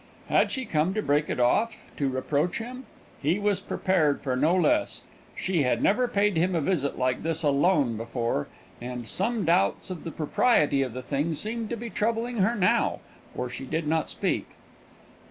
Had she come to break it off to reproach him? He was prepared for no less; she had never paid him a visit like this alone before; and some doubts of the propriety of the thing seemed to be troubling her now, for she did not speak.